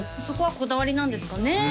そこはこだわりなんですかね